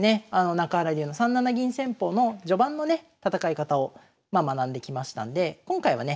中原流の３七銀戦法の序盤のね戦い方を学んできましたんで今回はね